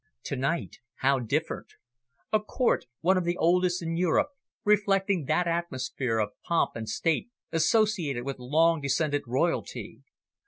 To night, how different. A Court, one of the oldest in Europe, reflecting that atmosphere of pomp and state associated with long descended Royalty.